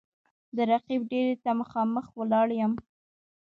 د رقیب دېرې ته مـــخامخ ولاړ یـــــم